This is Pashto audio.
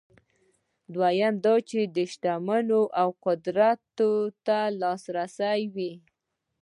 دویم دا چې شتمنۍ او قدرت ته لاسرسی وي.